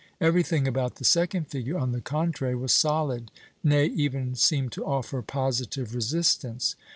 Everything about the second figure, on the contrary, was solid, nay, even seemed to offer positive resistance.